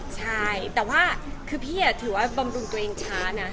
ใช่แต่ว่าคือพี่ถือว่าบำรุงตัวเองช้านะ